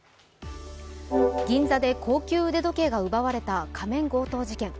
銀座で高級腕時計で奪われた仮面強盗事件。